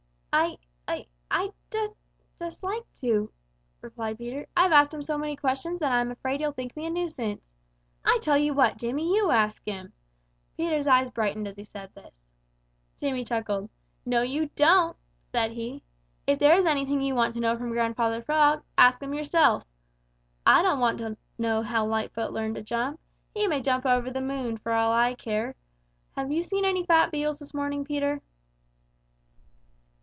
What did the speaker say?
"I I I don't just like to," replied Peter. "I've asked him so many questions that I am afraid he'll think me a nuisance. I tell you what, Jimmy, you ask him!" Peter's eyes brightened as he said this. Jimmy chuckled. "No, you don't!" said he. "If there is anything you want to know from Grandfather Frog, ask him yourself. I don't want to know how Lightfoot learned to jump. He may jump over the moon, for all I care. Have you seen any fat beetles this morning, Peter?"